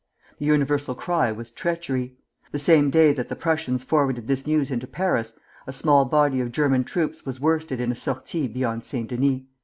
The universal cry was "Treachery!" The same day that the Prussians forwarded this news into Paris, a small body of German troops was worsted in a sortie beyond St. Denis.